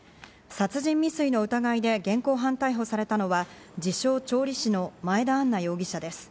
殺人未遂の疑いで現行犯逮捕されたのは、自称・調理師の前田安和容疑者です。